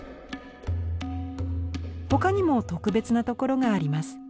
他にも特別なところがあります。